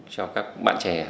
cho các bạn trẻ